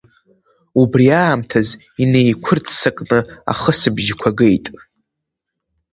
Убри аамҭаз инеиқәырццакны ахысыбжьқәа геит.